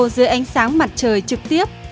giữa ánh sáng mặt trời trực tiếp